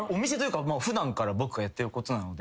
普段から僕がやってることなので。